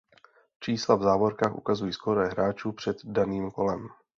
Čísla v závorkách ukazují skóre hráčů před daným kolem.